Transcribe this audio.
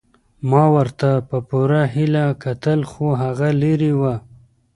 ما ورته په پوره هیله کتل خو هغه لیرې وه.